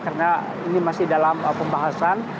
karena ini masih dalam pembahasan